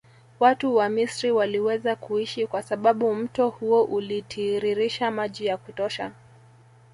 Watu wa Misri waliweza kuishi kwa sababu mto huo ulitiiririsha maji ya kutosha